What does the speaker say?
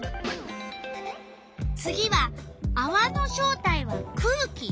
次は「あわの正体は空気」。